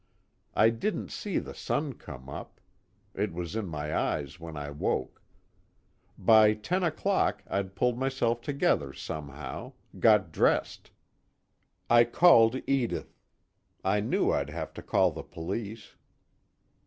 I didn't see the sun come up it was in my eyes when I woke. By ten o'clock I'd pulled myself together somehow, got dressed. I called Edith. I knew I'd have to call the police."